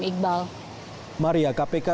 iqbal maria kpk